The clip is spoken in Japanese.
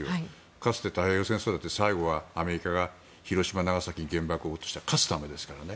かつて太平洋戦争だって最後はアメリカが広島、長崎に原爆を落とした勝つためですからね。